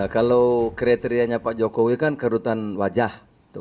kalau kriterianya pak jokowi kan kerutan wajah